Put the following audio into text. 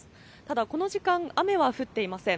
ただこの時間雨は降っていません。